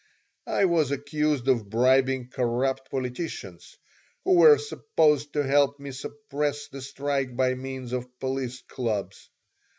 I was accused of bribing corrupt politicians who were supposed to help me suppress the strike by means of police clubs.